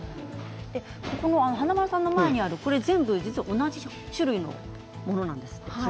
華丸さんの前にあるのが全部、同じ種類の植物なんですよね。